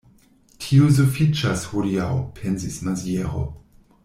Tio sufiĉas hodiaŭ, pensis Maziero.